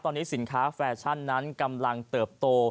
ตอนนี้สินค้าแฟชั่นนั้นกำลังเติบโต